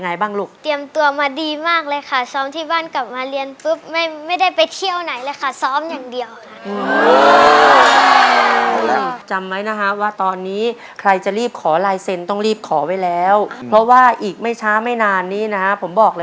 อยู่แล้วชอบมากเลยก็เลยแบบอยากลองไปสักครั้งหนึ่งบ้างค่ะ